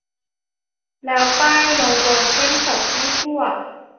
แล้วป้ายลงบนเส้นผมให้ทั่ว